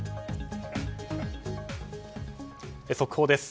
速報です。